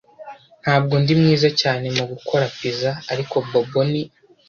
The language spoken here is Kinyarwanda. Ntabwo ndi mwiza cyane mu gukora pizza, ariko Bobo ni.